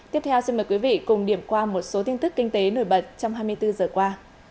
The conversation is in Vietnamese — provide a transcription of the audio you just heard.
tiếp theo xin mời quý vị cùng điểm qua một số tin tức kinh tế nổi bật trong hai mươi bốn giờ qua